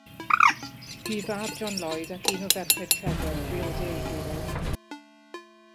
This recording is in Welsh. Bu i fab John Lloyd ac un o ferched Trefor briodi ei gilydd.